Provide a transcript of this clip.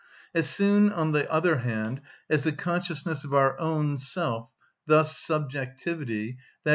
As soon, on the other hand, as the consciousness of our own self, thus subjectivity, _i.